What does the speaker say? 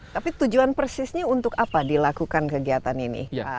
tapi tujuan persisnya untuk apa dilakukan kegiatan ini